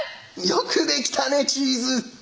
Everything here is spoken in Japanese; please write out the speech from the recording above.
「よくできたねチーズ」